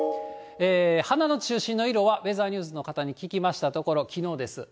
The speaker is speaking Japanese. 花の中心の色は、ウェザーニューズの方に聞きましたところ、きのうです。